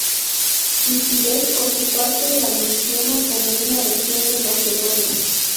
Tucídides, por su parte, la menciona como una región de Macedonia.